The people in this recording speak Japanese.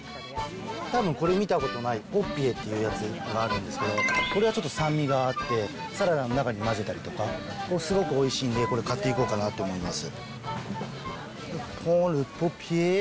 たぶんこれ見たことない、プルピエっていうのがあるんですけど、これはちょっと酸味があって、サラダの中に混ぜたりとか、すごくおいしいんでこれ買っていこうかなと思います。